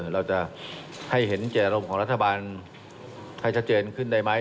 เราจะให้เห็นเจรมของรัฐบาลให้ชัดเจนขึ้นได้ไหม